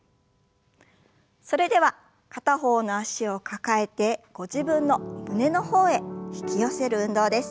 それでは片方の脚を抱えてご自分の胸の方へ引き寄せる運動です。